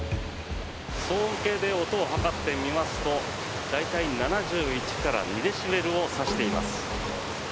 騒音計で音を測ってみますと大体、７１から７２デシベルを指しています。